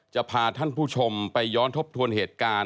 จะพาท่านผู้ชมไปย้อนทบทวนเหตุการณ์